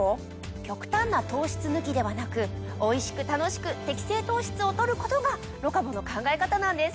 ⁉極端な糖質抜きではなくおいしく楽しく適正糖質を取ることがロカボの考え方なんです。